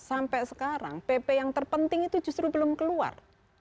sampai sekarang pp yang terpenting itu justru belum keluar